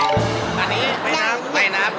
อันนี้ไม่น้ำไม่น้ำ